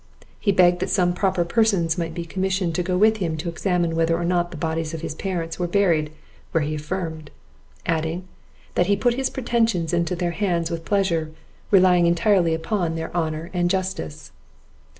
He begged that some proper persons might be commissioned to go with him to examine whether or no the bodies of his parents were buried where he affirmed; adding, that he put his pretensions into their hands with pleasure, relying entirely upon their honour and justice.